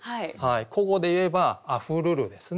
古語で言えば「あふるる」ですね。